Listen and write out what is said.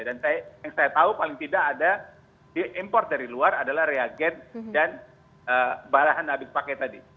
dan yang saya tahu paling tidak ada diimport dari luar adalah reagen dan bahan habis pakai tadi